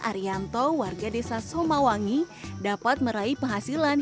arianto warga desa somawangi dapat meraih penghasilan